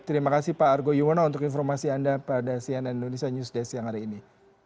terima kasih pak argo yuwono untuk informasi anda pada cnn indonesia news des yang hari ini